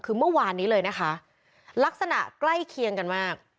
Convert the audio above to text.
คือเมื่อวานนี้เลยนะคะลักษณะใกล้เคียงกันมาก